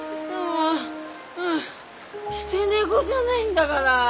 ああ捨て猫じゃないんだがら！